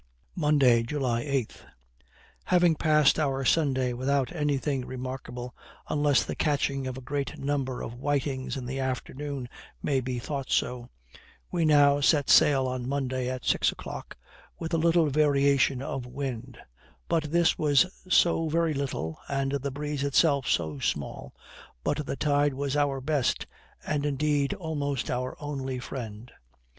Monday, July 8. Having passed our Sunday without anything remarkable, unless the catching a great number of whitings in the afternoon may be thought so, we now set sail on Monday at six o'clock, with a little variation of wind; but this was so very little, and the breeze itself so small, but the tide was our best and indeed almost our only friend.